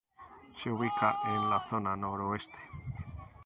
Se ubica en la zona noroeste.